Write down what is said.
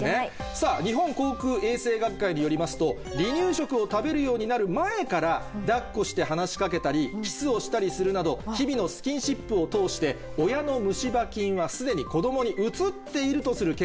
さぁ日本口腔衛生学会によりますと離乳食を食べるようになる前から抱っこして話しかけたりキスをしたりするなど日々のスキンシップを通して親の虫歯菌はすでに子供にうつっているとする研究